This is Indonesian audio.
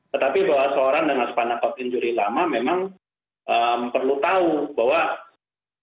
tetapi bahwa seorang dengan spanduk injury lama memang perlu tahu bahwa